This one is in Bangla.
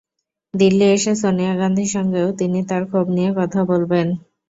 দিল্লি এসে সোনিয়া গান্ধীর সঙ্গেও তিনি তাঁর ক্ষোভ নিয়ে কথা বলবেন।